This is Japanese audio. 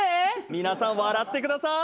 皆さん笑ってください！